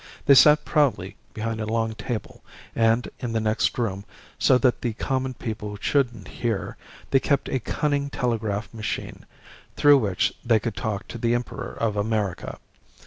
They sat proudly behind a long table; and in the next room, so that the common people shouldn't hear, they kept a cunning telegraph machine, through which they could talk to the Emperor of America.